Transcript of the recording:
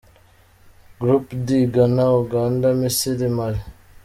Group D: Ghana, Uganda, Misiri, Mali.